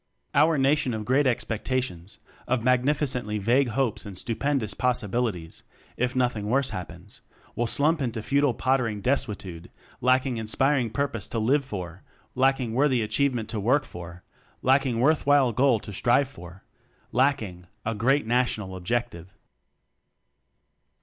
Our Nation of great expectations, of magnificently vague hopes and stu pendous possibilities, (if^ nothing worse happens), will slump into futile pottering desuetude, lacking inspiring purpose to live for, lacking worthy achievement to work for, lacking worthwhile goal to strive for, lacking a Great National Objective.